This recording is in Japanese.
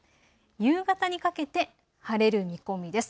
夕方にかけて晴れる見込みです。